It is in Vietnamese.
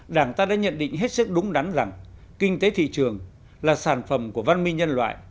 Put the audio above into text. đảng ta đã nhận định hết sức đúng đắn rằng kinh tế thị trường là sản phẩm của văn minh nhân loại